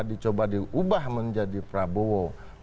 dicoba diubah menjadi prabowo